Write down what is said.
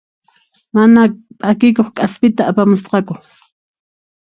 Mana p'akikuq k'aspita apamusqaku.